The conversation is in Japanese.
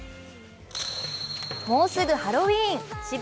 もうすぐハロウィーン。